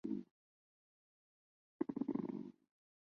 莱斯普埃。